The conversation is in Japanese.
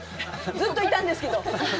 ずっといたんですけど。